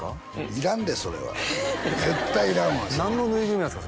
いらんでそれは絶対いらんわ何のぬいぐるみなんですか？